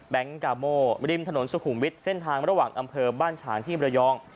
กาโมริมถนนสุขุมวิทย์เส้นทางระหว่างอำเภอบ้านฉางที่มรยอง